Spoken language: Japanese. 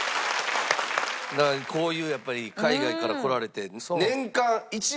こういうやっぱり海外から来られて。